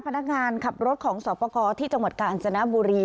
พนักงานขับรถของศพกที่จังหวัดกาลจนบุรี